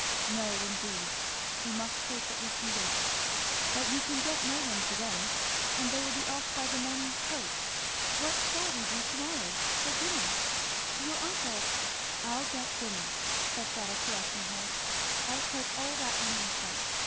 "No indeed we must take what we can get. But you can get no one to day, and they will be off by the morning's coach what shall we do to morrow, for dinner? Your uncle " "I'll get dinner," said Fleda caressing her; "I'll take all that on myself.